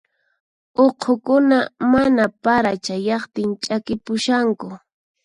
Uqhukuna mana para chayaqtin ch'akipushanku.